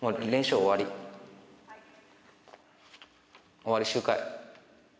終わり、終回。